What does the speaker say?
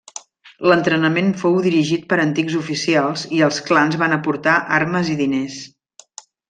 L'entrenament fou dirigit per antics oficials i els clans van aportar armes i diners.